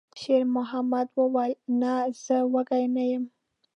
شېرمحمد وویل: «نه، زه وږی نه یم.»